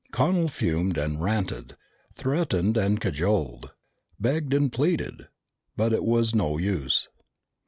Connel fumed and ranted, threatened and cajoled, begged and pleaded, but it was no use.